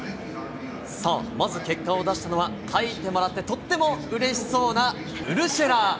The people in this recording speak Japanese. さあ、まず結果を出したのは、書いてもらってとってもうれしそうなウルシェラ。